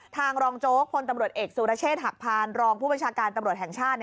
รองโจ๊กพลตำรวจเอกสุรเชษฐหักพานรองผู้บัญชาการตำรวจแห่งชาติ